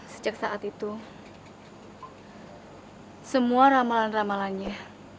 sejak saat itu semua ramalan ramalannya